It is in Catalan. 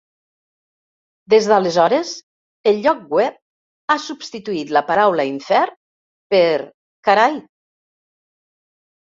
Des d'aleshores, el lloc web ha substituït la paraula "infern" per "carai".